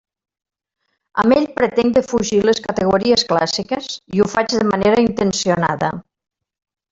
Amb ell pretenc defugir les categories clàssiques i ho faig de manera intencionada.